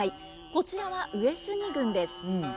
こちらは上杉軍です。